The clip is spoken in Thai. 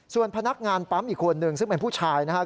ส่วนพนักงานปั๊มอีกคนนึงซึ่งเป็นผู้ชายนะครับ